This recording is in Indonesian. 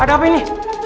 ada apa ini